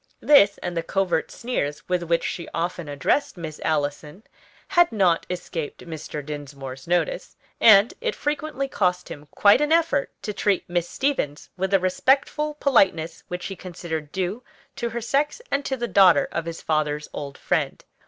This, and the covert sneers with which she often addressed Miss Allison had not escaped Mr. Dinsmore's notice, and it frequently cost him quite an effort to treat Miss Stevens with the respectful politeness which he considered due to her sex and to the daughter of his father's old friend.